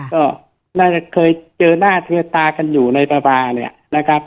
ก็น่าจะเคยเจอหน้าเทือตากันอยู่ในตาบาเนี่ยนะครับ